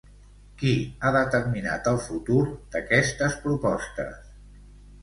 Qui ha determinat el futur d'aquestes propostes?